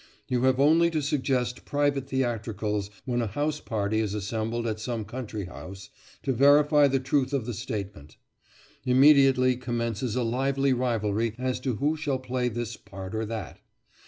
You have only to suggest private theatricals, when a house party is assembled at some country house, to verify the truth of the statement. Immediately commences a lively rivalry as to who shall play this part or that.